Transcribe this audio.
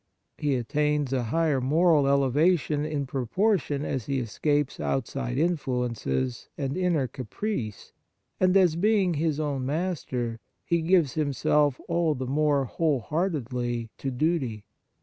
He attains a higher moral elevation in proportion as he escapes outside influences and inner caprice and as, being his own 124 Examination of Conscience master, he gives himself all the more whole heartedly to duty.